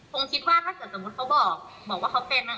คงคิดว่าถ้าเขาบอกว่าเขาเป็นนั้น